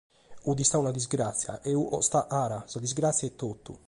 Fiat istada una disgràtzia, e fiat costada cara, sa disgràtzia e totu.